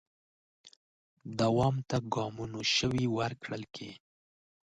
دوام ته ګامونو شوي ورکړل کې